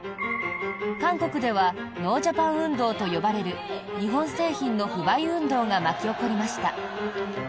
韓国ではノージャパン運動と呼ばれる日本製品の不買運動が巻き起こりました。